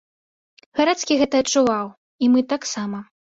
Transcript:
Гарэцкі гэта адчуваў, і мы таксама.